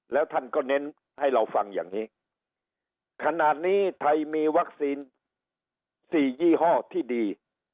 แล้วท่านก็เน้นให้เราฟังอย่างนี้ขนาดนี้ไทยมีวัคซีน๔ยี่ห้อที่ดี